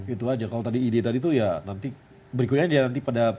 itu aja kalau tadi ide tadi tuh ya nanti berikutnya dia nanti pada